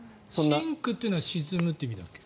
シンクというのは沈むという意味だっけ？